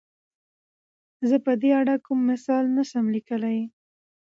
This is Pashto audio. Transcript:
زۀ په دې اړه کوم مثال نه شم ليکلی.